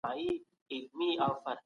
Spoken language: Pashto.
ودونه د فردوسي په شاهنامه کي بيان سوي دي.